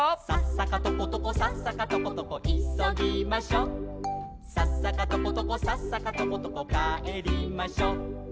「さっさかとことこさっさかとことこいそぎましょ」「さっさかとことこさっさかとことこかえりましょ」